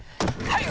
はい！